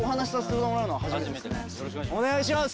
よろしくお願いします。